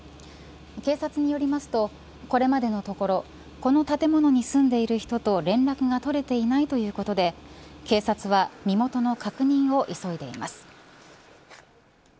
警察によりますとこれまでのところこの建物に住んでいる人と連絡が取れていないということで警察は身元の確認を急いでいます。